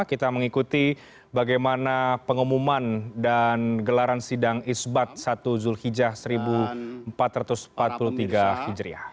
kita mengikuti bagaimana pengumuman dan gelaran sidang isbat satu zulhijjah seribu empat ratus empat puluh tiga hijriah